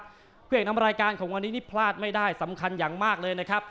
ผู้เอกนำรายการของวันนี้นี่พลาดไม่ได้สำคัญอย่างมากเลยนะครับ